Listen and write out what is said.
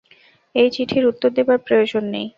এই চিঠির উত্তর দেবার প্রয়োজন নেই।